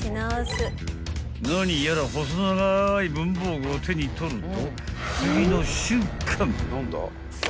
［何やら細長い文房具を手に取ると］